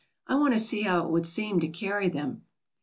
I want to see how it would seem to carry them."